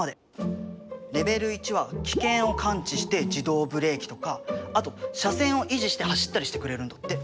レベル１は危険を感知して自動ブレーキとかあと車線を維持して走ったりしてくれるんだって。